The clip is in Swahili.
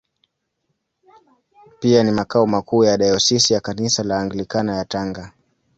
Pia ni makao makuu ya Dayosisi ya Kanisa la Anglikana ya Tanga.